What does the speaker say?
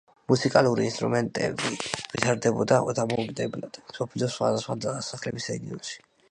მუსიკალური ინსტრუმენტები ვითარდებოდა დამოუკიდებლად მსოფლიოს სხვადასხვა დასახლებულ რეგიონში.